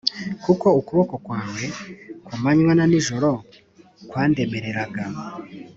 Kuko ukuboko kwawe ku manywa na n'ijoro kwandemereraga,